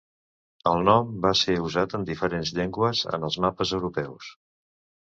El nom va ser usat en diferents llengües en els mapes europeus.